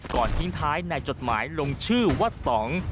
ทิ้งท้ายในจดหมายลงชื่อว่าต่อง